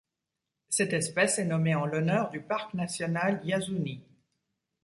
Cette espèce est nommée en l'honneur du parc national Yasuni.